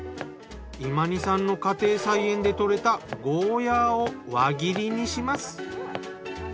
イマニさんの家庭菜園で採れたゴーヤーを輪切りにします。